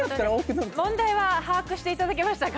問題は把握していただけましたか？